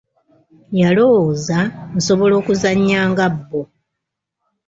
Yalowooza, nsobola okuzannya nga bbo.